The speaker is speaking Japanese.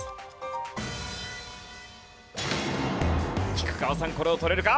菊川さんこれを取れるか？